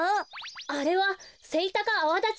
あれはセイタカアワダチソウです。